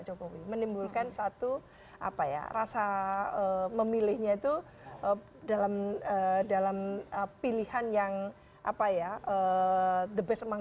jokowi menimbulkan satu apa ya rasa memilihnya itu dalam dalam pilihan yang apa ya the best among